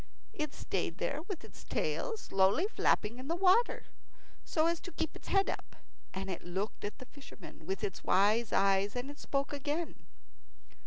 It stayed there with its tail slowly flapping in the water so as to keep its head up, and it looked at the fisherman with its wise eyes, and it spoke again.